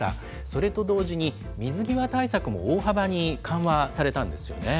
それと同時に、水際対策も大幅に緩和されたんですよね。